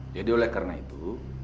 jadi oleh karena itu